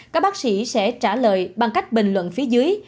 các bác sĩ sẽ trả lời bằng cách bình luận phía dưới